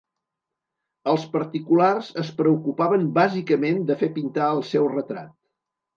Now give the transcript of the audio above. Els particulars es preocupaven bàsicament de fer pintar el seu retrat.